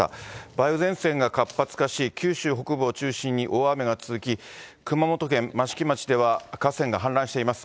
梅雨前線が活発化し、九州北部を中心に大雨が続き、熊本県益城町では、河川が氾濫しています。